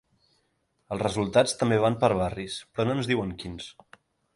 Els resultats també van per barris, però no ens diuen quins.